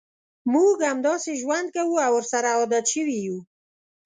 موږ همداسې ژوند کوو او ورسره عادت شوي یوو.